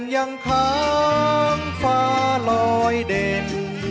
ทั้งฟ้าลอยเด่น